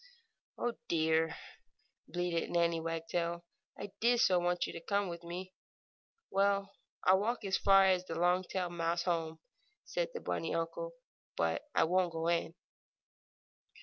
"Oh, dear!" bleated Nannie Wagtail. "I did so want you to come with me!" "Well, I'll walk as far as the Longtail mouse home,"' said the bunny uncle, "but I won't go in.